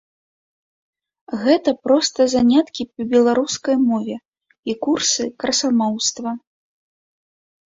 Гэта проста заняткі па беларускай мове і курсы красамоўства.